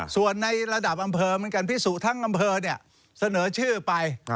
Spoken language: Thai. ส่วนในระดับอำเภอเหมือนกันพิสูจนทั้งอำเภอเนี่ยเสนอชื่อไป